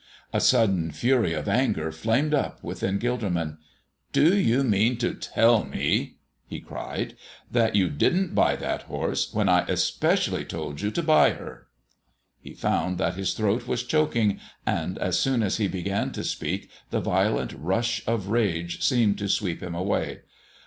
A sudden fury of anger flamed up within Gilderman. "Do you mean to tell me," he cried, "that you didn't buy that horse when I especially told you to buy her?" He found that his throat was choking, and as soon as he began to speak the violent rush of rage seemed to sweep him away.